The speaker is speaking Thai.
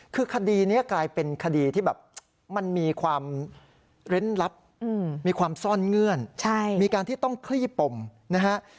คือคดีนี้กลายเป็นคดีที่แบบมันมีความเร้นลับมีความซ่อนเงื่อนมีการที่ต้องคลี่ปมนะฮะ